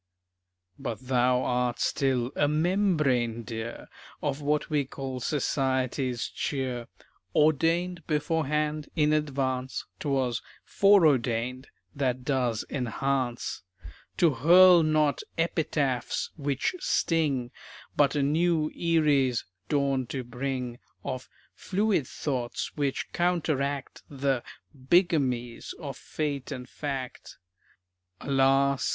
But thou art still a "membrane" dear Of what we call society's cheer; "Ordained beforehand, in advance." ('Twas "foreordained," that does enhance,) To hurl not "epitaphs" which sting, But a new "Erie's" dawn to bring, Of "fluid" thoughts which counteract The "bigamies" of fate and fact. Alas!